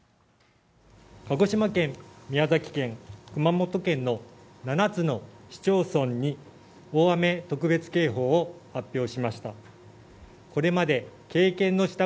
鹿児島県、宮崎県、熊本県の７つの市町村に大雨特別警報を発表しました。